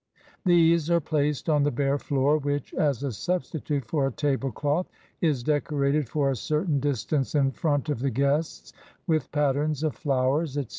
These are placed on the bare floor, which, as a substitute for a tablecloth, is decorated for a certain distance in front of the guests with patterns of flowers, etc.